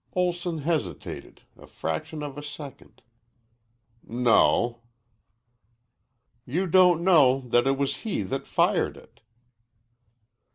Olson hesitated, a fraction of a second. "No." "You don't know that it was he that fired it."